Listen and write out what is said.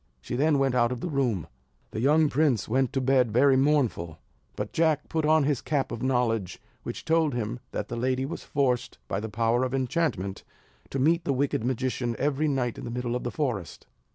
She then went out of the room. The young prince went to bed very mournful: but Jack put on his cap of knowledge, which told him that the lady was forced, by the power of enchantment, to meet the wicked magician every night in the middle of the forest.